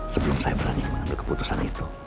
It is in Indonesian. sebelum saya berani mengambil keputusan itu